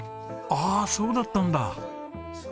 ああそうだったんだ。